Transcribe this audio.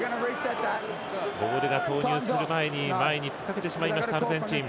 ボールが投入する前に前に突っかけてしまいましたアルゼンチン。